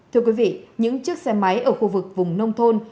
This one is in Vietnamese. thưa quý vị những chiếc xe máy ở khu vực vùng nông thôn